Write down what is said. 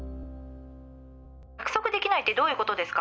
約束できないってどういうことですか？